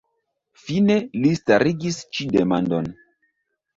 Fine li starigis ĉi demandon.